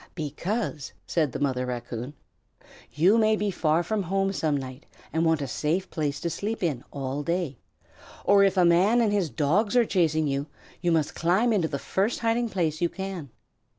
"Because," said the Mother Raccoon, "you may be far from home some night and want a safe place to sleep in all day. Or if a man and his Dogs are chasing you, you must climb into the first hiding place you can.